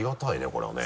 これはね。